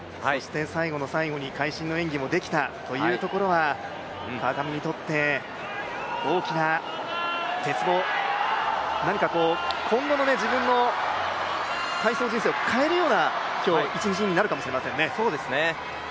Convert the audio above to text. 最後の最後に会心の演技もできたというところが川上にとって大きな、何か、今後の自分の体操人生を変えるような今日、一日になるかもしれませんね。